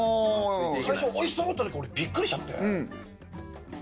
最初「おいしそう！」って言ったとき俺びっくりしちゃって。